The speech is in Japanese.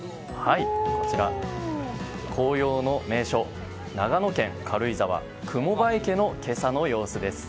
紅葉の名所、長野県軽井沢雲場池の今朝の様子です。